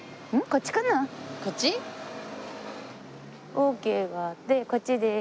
オーケーがあってこっちです。